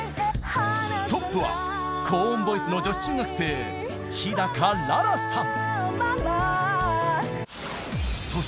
トップは高音ボイスの女子中学生樋楽々さん。